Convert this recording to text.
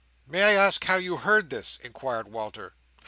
"May I ask how you heard this?" inquired Walter.